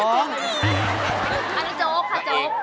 อันนี้โจ๊กค่ะโจ๊ก